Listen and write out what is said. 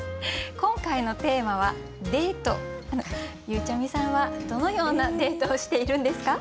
ゆうちゃみさんはどのようなデートをしているんですか？